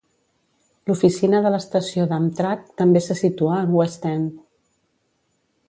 L'Oficina de l'Estació d'Amtrak també se situa en West End.